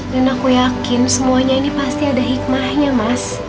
dan aku yakin semuanya ini pasti ada hikmahnya mas